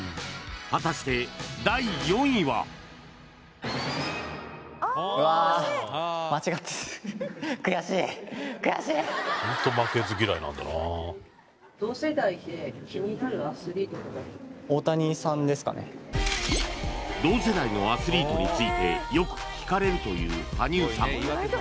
果たして第４位はうわホント同世代のアスリートについてよく聞かれるという羽生さん